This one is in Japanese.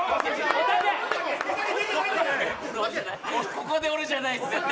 ここで俺じゃないです、絶対。